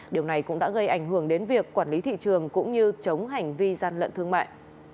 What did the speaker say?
điều này cũng đã gây ảnh hưởng đến việc quản lý thị trường cũng như chống hành vi gian lận thương mại